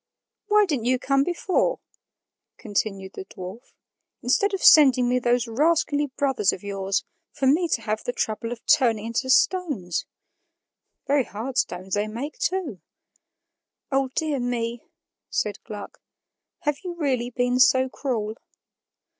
"Why didn't you come before," continued the dwarf, "instead of sending me those rascally brothers of yours, for me to have the trouble of turning into stones? Very hard stones they make, too." "O dear me!" said Gluck, "have you really been so cruel?"